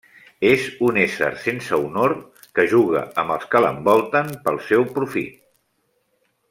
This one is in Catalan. És un ésser sense honor que juga amb els que l'envolten pel seu profit.